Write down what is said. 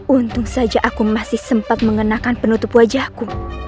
untung saja aku masih sempat mengenakan penutup wajahku